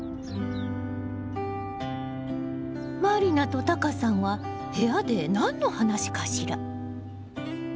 満里奈とタカさんは部屋で何の話かしら？